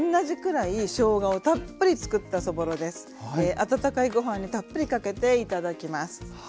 あたたかいご飯にたっぷりかけて頂きます。